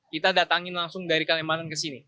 kita datangin langsung dari kalimantan ke sini